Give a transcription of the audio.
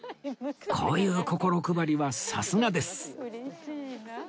こういう心配りはさすがです！